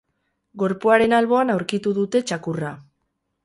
Gorpuaren alboan aurkitu dute txakurra.